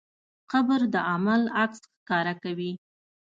قبر د عمل عکس ښکاره کوي.